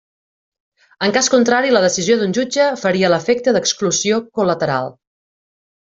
En cas contrari, la decisió d'un jutge faria l'efecte d'exclusió col·lateral.